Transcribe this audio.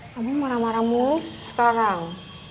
kamu marah marah mulus sekarang